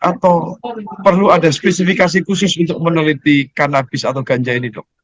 atau perlu ada spesifikasi khusus untuk meneliti kanabis atau ganja ini dok